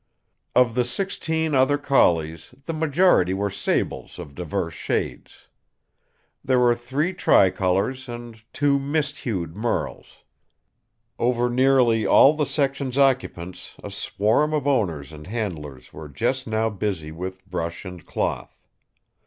Of the sixteen other collies the majority were sables of divers shades. There were three tricolors and two mist hued merles. Over nearly all the section's occupants a swarm of owners and handlers were just now busy with brush and cloth.